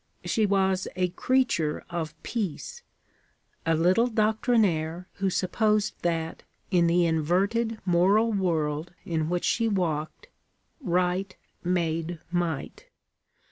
She was a creature of peace; a little doctrinaire who supposed that, in the inverted moral world in which she walked, right made might.